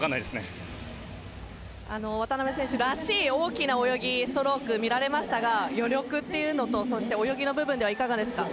渡辺選手らしい大きな泳ぎ、ストローク見せましたが余力というのと泳ぎの部分ではいかがですか？